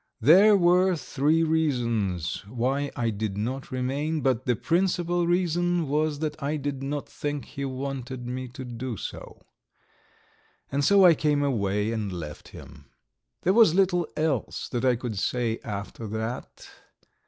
There were three reasons why I did not remain, but the principal reason was that I did not think he wanted me to do so. And so I came away and left him. There was little else that I could say after that.